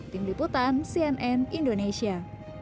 tim liputan cnn indonesia